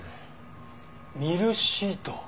ミルシート。